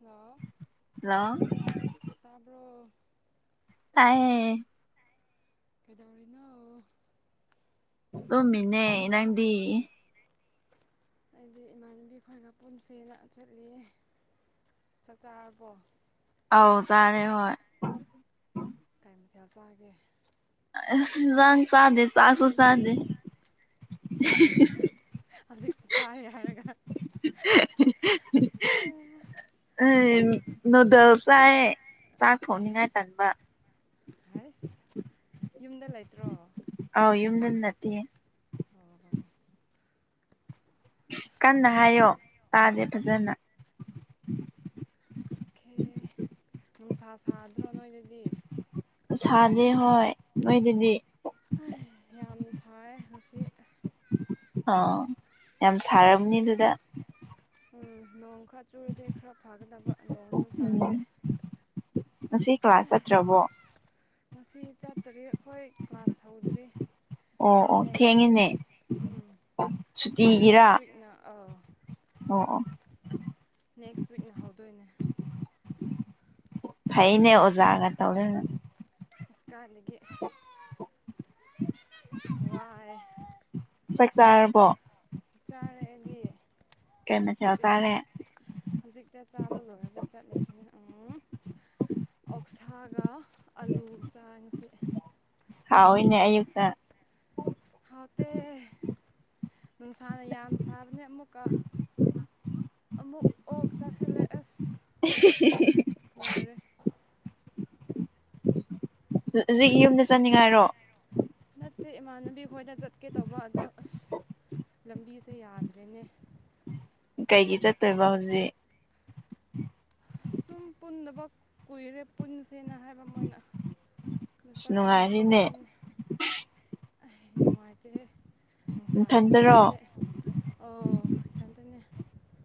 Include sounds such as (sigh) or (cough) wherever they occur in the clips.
ꯍꯂ ꯍꯜꯂꯣ ꯇꯄꯣ ꯇꯌꯦ ꯀꯩꯗꯧꯔꯤꯅꯣ ꯇꯨꯝꯃꯤꯅꯦ ꯅꯪꯗꯤ ꯑꯩꯗꯤ ꯏꯃꯥꯟꯅꯕꯤ ꯈꯔꯒ ꯄꯨꯟꯁꯤꯗ ꯆꯠꯂꯤ ꯆꯥꯛꯆꯥꯔꯕꯣ ꯑꯥꯎ ꯆꯥꯔꯦ ꯍꯣꯏ ꯆ ꯇꯒꯦ ꯖꯥꯡ ꯁꯥꯗꯦ ꯆꯥꯁꯁꯨ ꯁꯥꯗꯦ ꯍꯧꯖꯤꯛꯇꯤ ꯆꯥꯏꯔꯦ ꯍꯥꯏꯔꯒ ꯎ ꯅꯨꯨꯗꯜꯁꯥꯏ ꯆꯥꯛ ꯑꯁ ꯊꯣꯡꯅꯤꯡꯉꯥꯏ ꯇꯟꯕ ꯍꯁ ꯌꯨꯝꯗ ꯂꯩꯇ꯭ꯔꯣ ꯑꯧ (inaudible) ꯑꯣ ꯀꯟꯅ ꯍꯥꯏꯌꯣ ꯇꯥꯗꯦ ꯐꯖꯅ ꯑꯣꯦ ꯅꯨꯡꯁꯥ ꯁꯥꯗ꯭ꯔꯣ ꯅꯣꯏꯗꯗꯤ ꯁꯥꯗꯦ ꯍꯣꯏ ꯃꯣꯏꯗꯨꯗꯤ ꯌꯥꯝꯅ ꯁꯥꯏ ꯉꯁꯤ ꯑꯥ ꯌꯥꯝ ꯁꯥꯔꯕꯅꯤ ꯑꯗꯨꯗ ꯎꯝ ꯅꯣꯡ ꯈꯔ ꯆꯨꯔꯗꯦ ꯈꯔ ꯐꯒꯗꯕ ꯅꯣꯡꯁꯨ ꯇꯥꯗꯦ ꯎꯝ ꯉꯁꯤ ꯀ꯭ꯂꯥꯁ ꯆꯠꯇ꯭ꯔꯕꯣ ꯉꯁꯤ ꯆꯥꯇꯔꯦꯠ ꯑꯩꯈꯣꯏ ꯀ꯭ꯂꯥꯁ ꯍꯧꯗ꯭ꯔꯤ ꯑꯣ ꯑꯣ ꯅꯦꯛꯁ ꯊꯦꯡꯉꯤꯅꯦ ꯎꯝ ꯁꯨꯇꯤꯒꯤꯔꯥ ꯅꯦꯛꯁ ꯋꯤꯛꯅ ꯑꯥꯎ ꯑꯣ ꯑꯣ ꯅꯦꯛꯁ ꯋꯤꯛꯅ ꯍꯧꯗꯣꯏꯅꯦ ꯐꯩꯅꯦ ꯑꯣꯖꯥꯒ ꯇꯧ ꯂꯩꯦꯅꯪ ꯑꯁꯀꯥ ꯂꯩ ꯋꯥꯦ ꯆꯥꯔꯔꯕ ꯃꯊꯦꯜ ꯍꯧꯖꯤꯛ ꯆꯥꯔꯦ ꯍꯧꯖꯤꯛ ꯆꯥꯕ ꯆꯠꯂꯁꯤꯅꯦ ꯎ ꯑꯣꯛꯁꯥꯒ ꯑꯥꯂꯨꯒ ꯆꯥꯡꯁꯦ ꯁꯥꯑꯣꯏꯅꯦ ꯑꯌꯨꯛꯇ ꯐꯥꯎꯇꯦ ꯅꯨꯡꯁꯥꯅ ꯌꯥꯝ ꯁꯥꯕꯅꯦ ꯑꯃꯨꯛꯀ ꯑꯃꯨꯛ ꯑꯣꯛ ꯆꯥꯁꯤꯜꯂꯦ ꯑꯁ ꯂꯣꯏꯔꯦ ꯍꯧꯖꯤꯛ ꯌꯨꯝꯗ ꯆꯠꯅꯤꯡꯉꯥꯏꯔꯣ ꯦ ꯏꯃꯥꯟꯅꯕꯤ ꯈꯣꯏꯅ ꯆꯠꯀꯦ ꯇꯧꯕ ꯑꯗꯣ ꯑꯁ ꯂꯝꯕꯤꯁꯦ ꯌꯥꯗ꯭ꯔꯦꯅꯦ ꯀꯩꯒꯤ ꯆꯠꯇꯣꯏꯕ ꯍꯧꯖꯤꯛ ꯁꯨꯝ ꯄꯨꯟꯗꯕ ꯀꯨꯏꯔꯦ ꯄꯨꯟꯁꯦꯅ ꯍꯥꯏꯕ ꯑꯃꯣꯏꯅ ꯑꯗ ꯑꯁ ꯆꯠꯁꯤꯅ ꯅꯨꯡꯉꯥꯏꯔꯤꯅꯦ ꯆꯠꯂꯤꯁꯤ ꯑꯩ ꯅꯨꯡꯉꯥꯏꯇꯦ ꯅꯨꯡꯁꯥꯅ ꯅꯊꯟꯗꯔꯣ ꯁꯥꯕꯅꯦ ꯑꯣ ꯏꯊꯟꯇꯅꯦ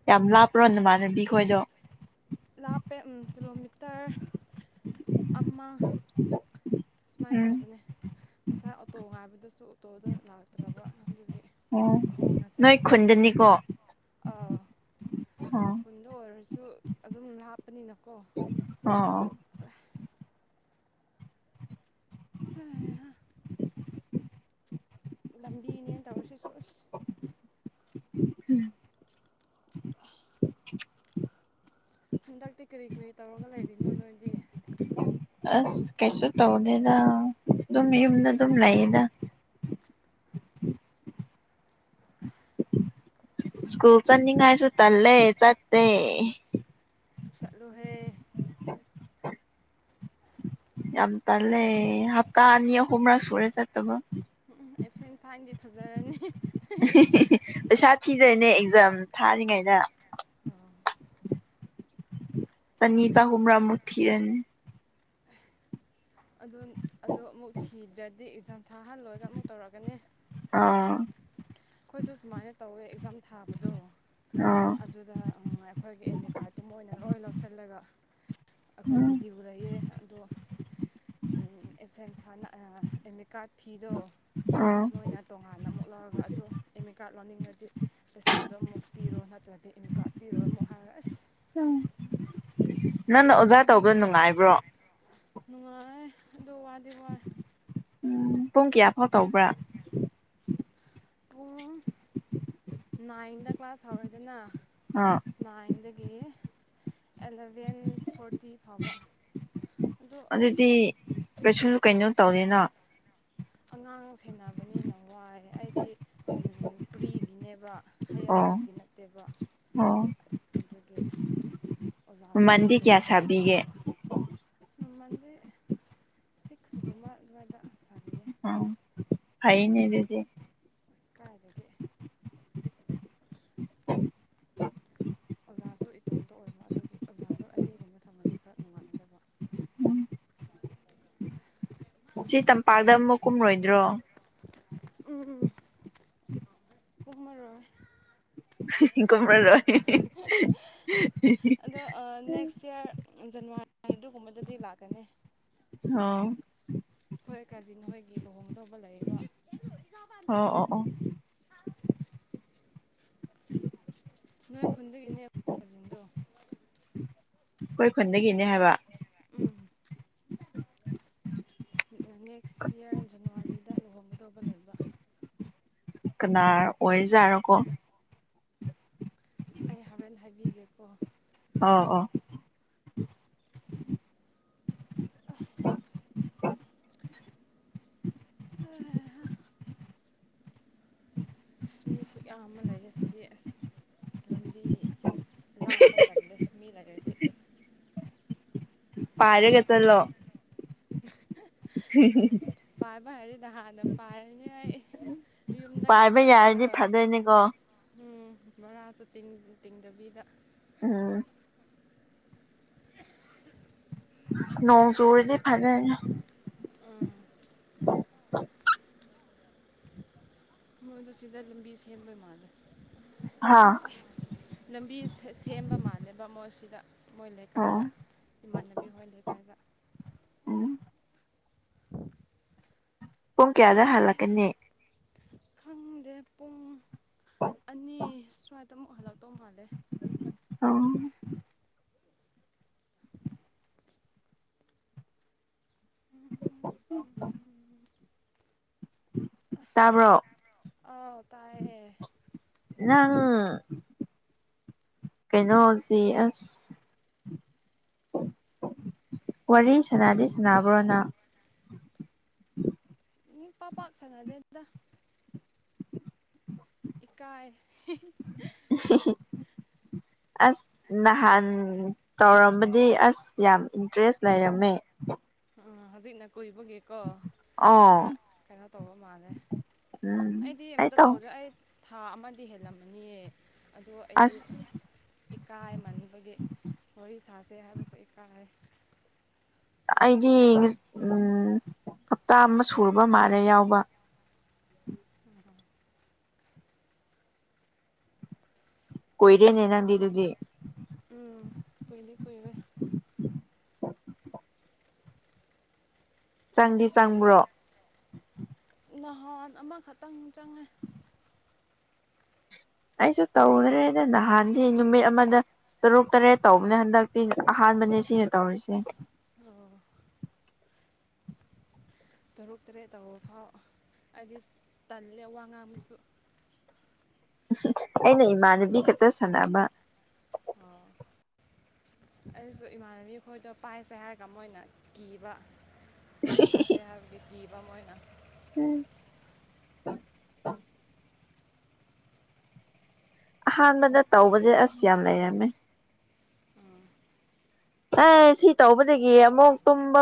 ꯌꯥꯝ ꯂꯥꯞꯄ꯭ꯔꯣ ꯅꯃꯅꯕꯤ ꯈꯣꯏꯗꯣ ꯂꯥꯄꯦ ꯎꯝ ꯀꯤꯂꯣꯃꯤꯇꯔ ꯑꯃꯃ ꯁꯨꯃꯥꯏꯅ ꯎꯝ ꯇꯧꯕꯅꯦ ꯉꯁꯥꯏ ꯑꯣꯇꯣ ꯉꯥꯏꯕꯗꯨꯁꯨ ꯑꯣꯇꯣꯗ ꯂꯥꯛꯇ꯭ꯔꯕ ꯑꯗꯨꯒꯤ ꯑꯣ ꯈꯣꯡꯅ ꯅꯣꯏ ꯆꯠꯂꯤꯅꯤ ꯈꯨꯟꯗꯅꯤꯀꯣ ꯑꯥ ꯑꯣ ꯈꯨꯟꯗ ꯑꯣꯏꯔꯁꯨ ꯑꯗꯨꯝ ꯂꯥꯞꯄꯅꯤꯅ ꯑꫭ ꯑꫭ ꯍꯣꯏ (unintelligible) ꯂꯝꯕꯤꯅꯦꯅ ꯇꯧꯔꯤꯁꯤꯁꯨ ꯑꯁ ꯎꯝ ꯍꯟꯗꯛꯇꯤ ꯀꯔꯤ ꯀꯔꯤ ꯇꯧꯔꯒ ꯂꯩꯔꯤꯅꯣ ꯅꯣꯏꯗꯤ ꯑꯁ ꯀꯩꯁꯨ ꯇꯧꯗꯦꯗ ꯑꯗꯨꯝ ꯌꯨꯝꯗ ꯑꯗꯨꯝ ꯂꯩꯌꯦꯗ ꯁ꯭ꯀꯨꯜ ꯆꯠꯅꯤꯡꯉꯥꯏꯁꯨ ꯇꯜꯂꯦ ꯆꯠꯇꯦ ꯆꯂꯨ ꯍꯦ ꯌꯥꯝ ꯇꯦꯟꯂ‌ꯦ ꯍꯞꯇꯥ ꯑꯅꯤ ꯑꯍꯨꯝ ꯔꯛ ꯁꯨꯔ‌ꯦ ꯆꯠ ꯇꯕꯥ ꯎꯝ ꯑꯦꯞꯁ‌ꯦꯟ ꯐꯥꯟꯗꯤ ꯐꯖꯔꯅꯤ ꯄꯩꯁꯥ ꯊꯤꯗꯣꯏꯅꯦ ꯑꯦꯛꯖꯥꯝ ꯊꯥꯔꯤꯉꯩꯗ ꯑꯣ ꯆꯅꯤ ꯆꯍꯨꯝꯔꯥ ꯃꯨꯛ ꯊꯤꯔꯥꯅꯤ ꯑꯗꯣ ꯑꯗꫭ ꯑꯃꯨꯛ ꯊꯤꯗ꯭ꯔꯗꯤ ꯑꯦꯛꯖꯥꯝ ꯊꯥꯍꯜꯂꯣꯏꯒ ꯑꯃꯨꯛ ꯇꯧꯔꯛꯀꯅꯤ ꯑꯥ ꯑꯩꯈꯣꯏꯁꯨ ꯁꯨꯃꯥꯏꯅ ꯇꯧꯋꯦ ꯑꯦꯛꯖꯥꯝ ꯊꯥꯕꯗꯣ ꯑꯥ ꯑꯗꯨꯗ ꯑꯩꯈꯣꯏꯒꯤ ꯑꯦꯠꯃꯤ ꯀꯥꯔꯠꯇꯨ ꯃꫭꯏꯅ ꯂꯣꯏ ꯂꯧꯁꯤꯜꯂꯒ ꯎꯝ ꯑꯩꯈꯣꯏꯒꯤꯗꯤ ꯎꯔꯛꯑꯦ ꯑꯗꯣ ꯑꯦꯞꯁꯦꯟꯅ ꯑꯦꯗꯃꯤꯠ ꯀꯥꯔꯠ ꯐꯤꯗꯣ ꯑꯥ ꯃꯣꯏꯅ ꯇꯣꯉꯥꯟꯅ ꯑꯃꯨꯛ ꯂꯧꯔꯒ ꯑꯗꯨ ꯑꯠꯃꯤ ꯀꯥꯔꯠꯗ ꯂꯧꯅꯤꯡꯉꯗꯤ ꯄꯩꯁꯥꯗꯣ ꯑꯃꯨꯛ ꯄꯤꯔꯣ ꯅꯠꯇ꯭ꯔꯗꯤ ꯏꯃꯠ ꯀꯥꯔꯗ ꯄꯤꯔꯣꯏ ꯑꯃꯨꯛ ꯍꯥꯟꫪ‌ꯦ ꯑꯁ ꯎꯝ ꯅꯪꯅ ꯑꯣꯖꯥ ꯇꯧꯕꯗ ꯃꯅꯨꯡꯗ ꯅꯨꯡꯉꯥꯏꯕ꯭ꯔꯣ ꯅꯨꯡꯉꯥꯏ ꯑꯗ‌ꫭ ꯋꯥꯗꯤꯋꯥꯏ ꯎꯝ ꯄꯨꯡ ꯀꯌꯥ ꯐꯥꯎ ꯇꯧꯕ꯭ꯔꯥ ꯄꯨꯡ ꯅꯥꯏꯟꯗ ꯀ꯭ꯂꯥꯁ ꯍꯧꯔꯣꯏꯗꯅ ꯑꯥ ꯅꯥꯏꯟ ꯒꯤ ꯑꯦꯂꯚꯦꯟ ꯐꯣꯔ ꯇꯤ ꯐꯥꯎꯕ ꯑꯗꯨ ꯑꯁ ꯑꯗꯨꯗꯤ ꯀꯩꯁꯨ ꯀꯩꯅꯣ ꯇꯧꯗ‌ꯦꯅꯥ ꯑꯉꯥꯡ ꯁꯦꯟꯅꯕꯅꯤꯅ ꯋꯥꯏ ꯑꯩꯗꯤ ꯎꯝ ꯄꯨ꯭ꯔꯤꯒꯤꯅꯦꯕ ꯍꯥꯏꯌꯥꯔ ꯑꯣ ꯀꯥꯁꯀꯤ ꯅꯠꯇꯦꯕ ꯑꯣ ꯑꯗꯨꯒꯤ ꯑꯣꯖꯥꯗꯁꯨ ꯃꯃꯟꯗꯤ ꯀꯌꯥ ꯏꯇꯣꯝꯇ ꯑꯃꯨꯛ ꯁꯥꯕꯤꯒꯦ ꯑꯣꯏꯕ ꯃꯝꯟꯗꯤ ꯁꯤꯛꯁ ꯒꯨꯝꯕ ꯑꯗꯨꯥꯏꯅ ꯁꯕꯤꯌꯦ ꯎꯝ ꯐꯥꯏꯅꯦ ꯑꯗꯨꯗꯤ ꯀꯥꯏꯗꯒꯤ ꯑꯣꯖꯥꯁꯨ ꯏꯇꯣꯝꯇ ꯑꯣꯏꯕ ꯑꯗꯨꯒꯤ ꯑꯣꯖꯥꯗꯣ ꯑꯅꯤꯒꯨꯝꯕ ꯊꯝꯃꯗꯤ ꯈꯔ ꯅꯨꯡꯉꯥꯏꯗꯕ ꯎꯝ ꯁꯤ ꯇꯝꯄꯥꯛꯇ ꯑꯃꯨꯛ ꯀꯨꯝꯔꯣꯏꯗ꯭ꯔꯣ ꯎꯝ ꯀꯨꯝꯃꯔꯣꯏ ꯀꯨꯝꯃꯔꯣꯏ ꯑꯗꯣ ꯅꯦꯛꯁ ꯏꯌꯥꯔ ꯖꯅꯋꯥꯔꯤ ꯑꯗꯨꯒꯨꯝꯕꯗꯗꯤ ꯂꯥꯛꯀꯅꯤ ꯑꫭ ꯑꯈꫭꯏ ꯀꯥꯖꯤꯟ ꯑꯃꯒꯤ ꯂꯨꯍꯣꯡꯒꯗꯧꯕ ꯂꯩꯕꯥ ꯑꯣ ꯑꯣ ꯑꯣ ꯅꯣꯏ ꯈꯨꯟꯗꯒꯤꯅꯦꯥꯁꯤꯡꯟꯗꯣ (unintelligible) ꯑꯩꯈꯣꯏ ꯈꯨꯟꯗꯒꯤꯅꯦ ꯍꯥꯏꯕ ꯎꯝ ꯅꯦꯛꯁ ꯏꯌꯥꯔ ꯖꯅꯋꯥꯔꯤꯗ ꯂꯨꯍꯣꯡꯒꯗꯧꯕ ꯂꯩꯕ ꯀꯅꯥ ꯑꯣꯏꯖꯥꯔꯣꯀꯣ ꯑꯩ ꯍꯣꯔꯦꯟ ꯍꯥꯏꯕꯤꯒꯦꯀꯣ ꯑꯥ ꯑꯥ ꯑ ꯑ ꯑ ꯑꯁꯃꯤ ꯈꯨꯌꯥ ꯑꯃ ꯂꯩꯌꯦ ꯑꯁꯤꯗꯤ ꯑꯁ ꯂꯝꯕꯤ ꯂꯝꯕ ꯇꯝꯗꯦ ꯃꯤ ꯂꯩꯔꯗꯤ ꯄꯥꯔ ꯀꯦꯠꯇꯂꯣ ꯑ ꯄꯥꯏꯕ ꯍꯥꯏꯔꯤꯗ ꯍꯥꯟꯅ ꯄꯥꯏꯔꯅꯤ ꯑꯩ ꯌꯎꯨꯝꯗ ꯄꯥꯏꯕ ꯈꯝꯗ ꯌꯥꯔꯗꯤ ꯂꯩꯔꯦꯔ ꯐꯗꯣꯏꯅꯤꯀꯣ ꯎꯝ ꯕꯣꯔꯥꯁꯨ ꯇꯤꯡꯗꯕꯤꯗ ꯎꯝ ꯅꯣꯡ ꯆꯨꯔꯗꯤ ꯐꯅ (inaudible) ꯃꯣꯏ ꯑꯗꯨ ꯁꯤꯗ ꯂꯝꯕꯤ ꯁꯦꯝꯕ ꯃꯥꯜꯂꯦ ꯍꯥ ꯂꯝꯕꯤ ꯁꯦꯝꯕ ꯃꯥꯜꯂꯦꯕ ꯃꯣꯏꯁꯤꯗ ꯃꯣꯏ ꯑꯣ ꯂꯩꯀꯥꯏꯗ ꯏꯃꯥꯟꯅꯕꯤ ꯍꯣꯏ ꯂꯩꯀꯥꯏꯗ ꯎꯝ ꯄꯨꯡ ꯀꯌꯥꯗ ꯍꯜꯂꯛꯀꯅꯤ ꯈꯪꯗꯦ ꯄꯨꯡ ꯑꯅꯤ ꯁ꯭ꯋꯥꯏꯗ ꯑꯃꯨꯛ ꯍꯜꯂꯛꯇꯧ ꯃꯥꯜꯂꯦ ꯑ ꯄ ꯀꯥꯡꯄ ꯇꯥꯕ꯭ꯔꯣ ꯑꯥꯎ ꯇꯥꯏꯌꯦ ꯑꯥꯡ ꯀꯩꯅꯣꯁꯦ ꯑꯁ ꯋꯥꯔꯤ ꯁꯅꯥꯗꯤ ꯁꯅꯕ꯭ꯔꯣꯅ ꯃꯤ ꯄꯥꯄ ꯁꯉꯗꯦꯗ ꯑꯦꯀꯥꯏ ꯑꯁ ꯅꯍꯥꯟ ꯇꯧꯔꯝꯕꯗꯤ ꯑꯁ ꯌꯥꯝ ꯏꯟꯇꯔꯦꯁ ꯂꯩꯔꯝꯃꯦ ꯍꯧꯖꯤꯛꯅ ꯀꯨꯏꯕꯒꯤꯀꯣ ꯑꯣ ꯈꯔ ꯀꯩꯅꯣ ꯇꯧꯕ ꯃꯥꯜꯂꯦ ꯎꯝ ꯑꯩꯗꯤ ꯑꯩ ꯑꯝꯇ ꯇꯧ ꯇꯧꯗꯦ ꯑꯩ ꯊꯥ ꯑꯃꯗꯤ ꯍꯦꯜꯂꯝꯃꯅꯤꯌꯦ ꯑꯗꯣ ꯑꯩꯗꯤ ꯑ ꯑꯁ ꯏꯀꯥꯏꯃꯟꯕꯒꯤ ꯋꯥꯔꯤꯣ ꯁꯥꯁꯦ ꯍꯥꯏꯕꯁꯨ ꯏꯀꯥꯏ ꯑꯩꯗꯤ ꯎꯝ ꯍꯞꯇꯥ ꯑꯃ ꯁꯨꯔꯕ ꯃꯥꯜꯂꯦ ꯌꯥꯎꯕ ꯎ ꯀꯣꯏꯔ ꯅꯅꯥꯗꯤꯗꯨꯗꯤ ꯎꯝ ꯀꯣꯏꯅ ꯀꯨꯏꯔꯦ ꯆꯪꯗꯤ ꯆꯪꯕ꯭ꯔꯣ ꯅꯍꯥꯟ ꯑꯃꯈꯛꯇꯪ ꯆꯪꯉꯦ ꯑꯩꯁꯨ ꯇꯧꯗ꯭ꯔꯦꯗ ꯅꯍꯥꯟꯁꯤ ꯅꯨꯃꯤꯠ ꯑꯃꯗ ꯇꯔꯨꯛ ꯇꯔꯦꯠ ꯇꯧꯕꯅꯦ ꯍꯟꯗꯛꯇꯤ ꯑꯥꯟꯕ ꯑꯥꯟꯕꯅꯦ ꯁꯤꯅ ꯇꯧꯔꯤꯁꯦ ꯑꯣ ꯇꯔꯨꯛ ꯇꯔꯦꯠ ꯇꯧꯕ ꯐꯥꯎ ꯍꯥꯏꯗꯤ ꯇꯜꯂꯦ ꯋꯥ ꯉꯥꯡ ꯑꯃꯁꯨꯁꯨ ꯑꯩꯅ ꯏꯃꯥꯟꯅꯕꯤ ꯈꯛꯇ ꯁꯥꯟꯅꯕ ꯑꯩꯁꯨ ꯏꯃꯥꯟꯅꯕꯤ ꯈꯣꯏꯗꯣ ꯄꯥꯏꯁꯦ ꯍꯥꯏꯔꯒ ꯃꯣꯏꯅ ꯀꯤꯕ ꯍꯔꯤ ꯆꯥꯁꯦ ꯍꯥꯏ ꯀꯕ ꯃꯣꯏꯅ ꯎꯝ ꯑ ꯑꯍꯥꯟꯕꯗ ꯇꯧꯕꯁ ꯑꯁ ꯌꯥꯝ ꯂꯩꯔꯝꯃꯦ ꯑꯦ ꯁꯤ ꯇꯧꯕꯗꯒꯤ ꯑꯃꯨꯛ ꯇꯨꯝꯕ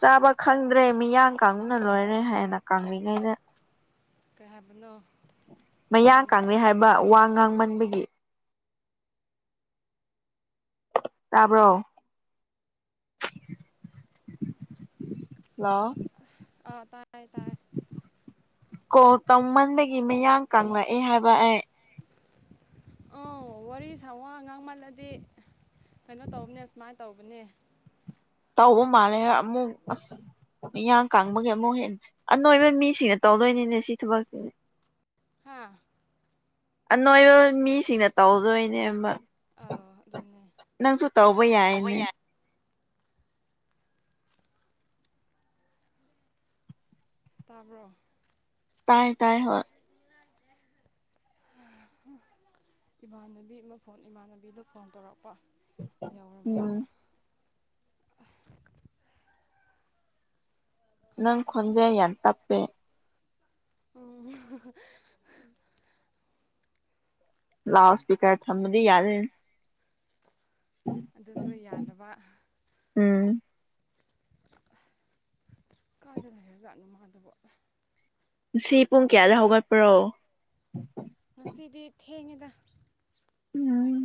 ꯆꯥꯕ ꯈꯪꯗ꯭ꯔꯦ ꯃꯤꯌꯥꯡ ꯀꯥꯡꯨꯅ ꯂꯣꯏꯔꯦ ꯍꯥꯏꯅ ꯀꯪꯂꯤꯉꯩꯗ ꯀ ꯃꯌꯥ ꯀꯅꯩ ꯍꯥꯏꯕ ꯋꯥ ꯉꯥꯡꯃꯟꯕꯒꯤ ꯇꯕꯣ ꯍ ꯑꯥ ꯇꯥꯏ ꯇꯥꯏ ꯀꯣ ꯇꯧꯃꯟꯕꯗꯒꯤ ꯃꯤꯌꯥꯡ ꯀꯪꯂꯛꯑꯦ ꯍꯥꯏꯕ ꯑꯩ ꯑꯥꯎ ꯋꯥꯔꯤ ꯁꯃꯛ ꯑꯉꯥꯡ ꯃꯥꯜꯂꯗꯤꯦ ꯀꯩꯅꯣ ꯇꯧꯕꯅꯦ ꯁꯨꯃꯥꯏꯅ ꯇꯧꯕꯅꯦ ꯇ ꯍꯨ ꯃꯥꯅꯦ ꯑꯃꯨꯛ ꯃꯤꯤꯌꯥꯡ ꯀꯥꯡꯥꯡꯕꯒꯤ ꯑꯃꯨꯛ ꯍꯦꯟꯅ ꯑꯅꯣꯏꯕ ꯃꯤꯁꯤꯡꯅ ꯇꯧꯗꯣꯏꯅꯤꯅꯦ ꯁꯤ ꯊꯕꯛꯁꯤꯗꯤ ꯍꯥ ꯑ ꯅꯣꯏꯕ ꯃꯤꯁꯤꯡꯅ ꯇꯧꯗꯣꯏꯅꯦ ꯑꯥ ꯑꯗꯨꯅꯦ ꯅꯪꯁꯨ ꯇꯧꯕ ꯕꯩ ꯌꯥꯅꯦ ꯇꯥꯕ꯭ꯔꯣ ꯇꯥꯏ ꯇꯥꯏ ꯍ ꯏꯃꯥꯟꯅꯕꯤ ꯑꯃ ꯐꯣꯟ ꯏꯃꯥꯟꯅꯕꯤꯗ ꯐꯣꯟ ꯇꯧꯔꯛꯄ ꯌꯥꯎꯔꯕ ꯎꯝ ꯑꯣꯏꯅ ꯅꯪ ꯈꯣꯟꯖꯩ ꯌꯥꯟ ꯇꯞꯄꯦ ꯎꯝ ꯂꯥꯎꯗ ꯁꯄꯤꯀꯔ ꯊꯝꯕꯗꯤ ꯌꯥꯗ ꯑꯗꯨꯁꯨ ꯌꯥꯗꯕ ꯎꯝ ꯀꯥꯗ ꯂꯩꯔ ꯖꯥꯠꯅꯤ ꯃꯥꯗꯨꯕꯣ ꯁꯤ ꯄꯨꯡ ꯀꯌꯥꯗ ꯍꯧꯒꯠꯄ꯭ꯔꯣ ꯉꯁꯤꯗꯤ ꯊꯦꯡꯑꯦꯗ ꯎꯝ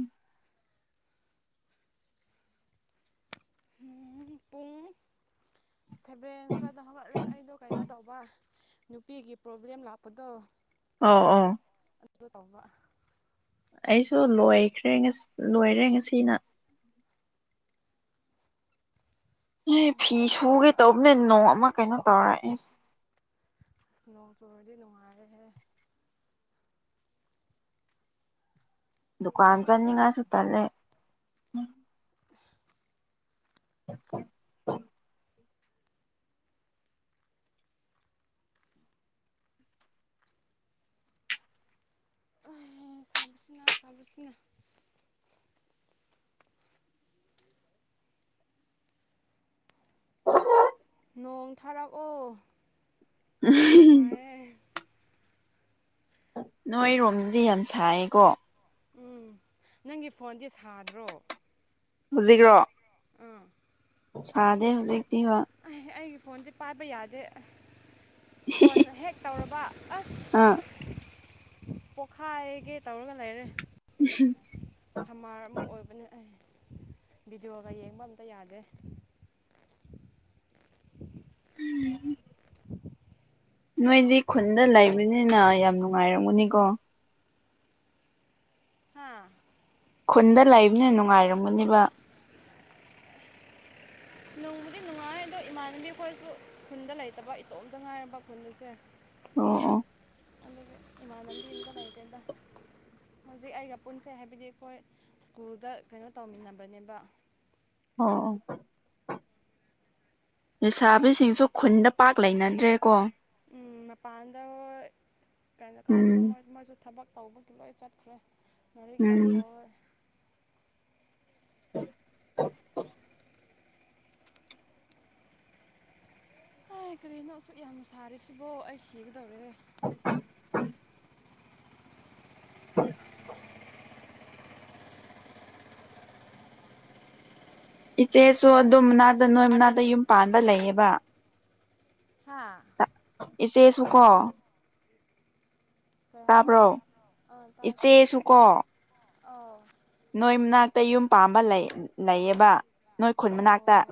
ꯄꯨꯡ ꯁꯚꯦꯟ ꯁ꯭ꯋꯥꯏꯗ ꯍꯧꯒꯠꯂꯦ ꯑꯩꯗꯣ ꯀꯩꯅꯣ ꯇꯧꯕ ꯅꯨꯄꯤꯒꯤ ꯄ꯭ꯔꯣꯕ꯭ꯂꯦꯝ ꯂꯥꯛꯄꯗꯣ ꯑ ꯑ ꯑꯗꯨ ꯇꯧꯕ ꯑꯩꯁꯨ ꯂꯣꯏꯈ꯭ꯔꯦꯁꯤ ꯂꯣꯏꯔꯦ ꯉꯁꯤꯅ ꯑꯦ ꯐꯤ ꯁꯨꯒꯦ ꯇꯧꯕꯅꯦ ꯅꯣꯡꯃ ꯀꯩꯅꯣ ꯇꯧꯔ ꯑꯦꯁ ꯅꯣꯡ ꯆꯨꯔꯗꯤ ꯅꯨꯡꯉꯥꯏꯔꯦꯍꯦ ꯗꯨꯀꯥꯟ ꯆꯠꯅꯤꯡꯉꯥꯏꯁꯨ ꯇꯟꯂꯦ (unintelligible) (unintelligible) ꯅꯣꯡ ꯊꯥꯔꯛꯑꯣ ꯌꯥꯝ ꯁꯥꯏꯌꯦ ꯅꯣꯏꯔꯣꯝꯗꯗꯤ ꯌꯥꯝ ꯁꯥꯏꯌꯦꯀꯣ ꯎꯝ ꯅꯪꯒꯤ ꯐꯣꯟꯗꯤ ꯁꯥꯗ꯭ꯔꯣ ꯍꯧꯖꯤꯛꯔꯣ ꯁꯥꯗꯦ ꯍꯧꯖꯤꯛꯇꯤ ꯋꯥ ꯐꯣꯟꯁꯦ ꯄꯥꯏꯕ ꯌꯥꯗꯦ ꯐꯣꯟ ꯍꯦꯛ ꯇꯧꯔꯕ ꯑꯁ ꯑꯥ ꯄꯣꯛꯈꯥꯏꯒꯦ ꯇꯧꯔꯒ ꯂꯩꯔꯦ (unintelligible) ꯁꯃꯥꯔ ꯑꯃ ꯑꯣꯏꯕꯅꯦ ꯑꯩ ꯚꯗꯤꯑꯣꯒ ꯌꯦꯡꯕ ꯑꯝꯇ ꯌꯥꯗꯦ ꯅꯣꯏꯗꯤ ꯈꯨꯟꯗ ꯂꯩꯕꯅꯤꯅ ꯌꯥꯝ ꯅꯨꯡꯉꯥꯏꯔꯝꯃꯅꯤꯀꯣ ꯍꯥꯥ ꯈꯨꯟꯗ ꯂꯩꯕꯅ ꯅꯨꯡꯉꯥꯏꯔꯝꯒꯅꯦꯕ ꯅꯨꯡꯕꯨꯗꯤ ꯅꯨꯡꯉꯥꯏ ꯑꯗꯣ ꯏꯃꯥꯟꯅꯕꯤ ꯑꯩꯈꯣꯏꯁꯨ ꯈꯨꯟꯗ ꯂꯩꯇꯕ ꯏꯇꯣꯝꯇ ꯉꯥꯏꯔꯕ ꯈꯨꯟ ꯑꯁꯦ ꯑꯣ ꯑꯣ ꯏꯃꯥꯟꯕꯤ ꯑꯃꯠꯇ ꯂꯩꯇ꯭ꯔꯦꯗ ꯍꯧꯖꯤꯛ ꯑꯩꯒ ꯄꯨꯟꯁꯦ ꯍꯥꯏꯕꯗꯤ ꯑꯩꯈꯣꯏ ꯁ꯭ꯀꯨꯜꯗ ꯀꯩꯅꯣ ꯇꯧꯃꯤꯟꯅꯕꯅꯦꯕ ꯑꯣ ꯂꯩꯁꯥꯕꯤꯁꯤꯡꯁꯨ ꯈꯨꯟꯗ ꯄꯥꯛ ꯂꯩꯅꯗ꯭ꯔꯦꯀꯣ ꯃꯄꯥꯟꯗ ꯀꯩꯅꯣ ꯀꯥꯏꯗꯅꯣ ꯎꯝ ꯃꯣꯏ ꯃꯣꯏꯁꯨ ꯊꯕꯛ ꯇꯧꯕꯒꯤ ꯂꯣꯏ ꯆꯠꯈ꯭ꯔꯦ ꯂꯥꯏꯔꯤꯛ ꯇꯝꯕ ꯎꯝ (unintelligible) ꯑꯦ ꯀꯔꯤꯅꯣ ꯑꯁꯨꯛ ꯌꯥꯝ ꯁꯥꯔꯤꯁꯤꯕꯣ ꯑꯩ ꯁꯤꯒꯗꯧꯔꯦ (unintelligible) (unintelligible) ꯏꯆꯦꯁꯨ ꯑꯗꯨꯝꯅꯥꯗ ꯅꯣꯏ ꯃꯅꯥꯗ ꯌꯨꯝ ꯄꯥꯟꯕ ꯂꯩꯑꯕ ꯍꯥꯥ ꯆꯦꯁꯨꯀꯣ ꯀꯩ ꯍꯥꯏꯕ ꯑ ꯇꯥꯏ ꯇꯥꯏ ꯏꯆꯦꯁꯨ ꯀꯣ ꯅꯣꯏ ꯃꯅꯥꯛꯇ ꯌꯨꯝ ꯄꯥꯝꯕ ꯂꯩꯌꯦꯕ ꯅꯣꯏ ꯈꯨꯟ ꯃꯅꯥꯛꯇ ꯑꯣ